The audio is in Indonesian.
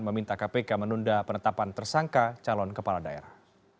meminta kpk menunda penetapan tersangka calon kepala daerah